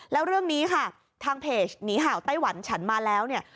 แล้วเรื่องนี้ค่ะทางเพจหนีห่าวไต้หวันฉันมาแล้วเนี่ย